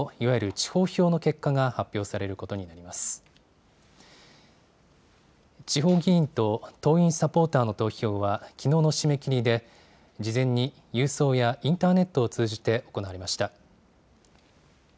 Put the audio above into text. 地方議員と党員・サポーターの投票は、きのうの締め切りで事前に郵送やインターネットを通じて行われました。